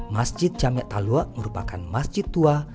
masjid jamia talwa merupakan masjid tua